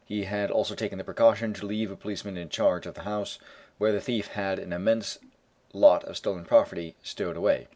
He had also taken the precaution to leave a policeman in charge of the house, where the thief had an immense lot of stolen property stowed away.